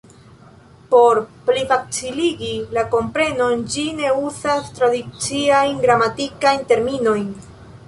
Por plifaciligi la komprenon, ĝi ne uzas tradiciajn gramatikajn terminojn.